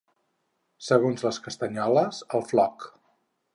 Segons les castanyoles, el floc.